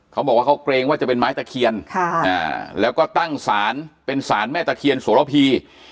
เขาบอกว่าเขาเกรงว่าจะเป็นไม้ตะเคียนแล้วก็ตั้งศาลเป็นศาลแม่ตะเคียนโสระพี